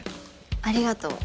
ありがとう。